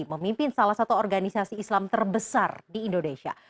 memimpin salah satu organisasi islam terbesar di indonesia